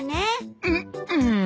うっうん。